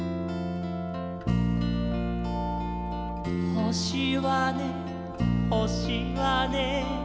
「ほしはねほしはね」